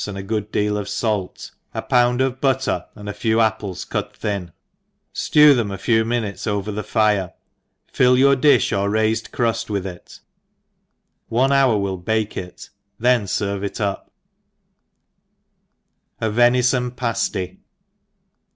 THE EXPEiilENCEO and a good deal of fait, a pound of butter, and a few apples cu| tl^in, flew theni a few minutes over the fire, fill you difli or raifed cruft w^th it 5 one hour will bake it 3 then ferve it up, ^rf V»isi80N Pasty